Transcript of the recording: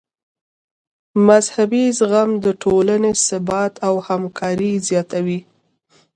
مذهبي زغم د ټولنې ثبات او همکاري زیاتوي.